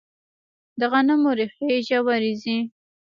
د غنمو ریښې ژورې ځي.